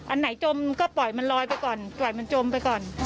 อันไหนจมก็ปล่อยมันลอยไปก่อนปล่อยมันจมไปก่อน